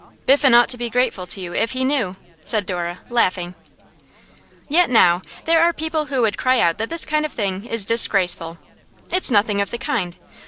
'Biffen ought to be grateful to you, if he knew,' said Dora, laughing. 'Yet, now, there are people who would cry out that this kind of thing is disgraceful. It's nothing of the kind.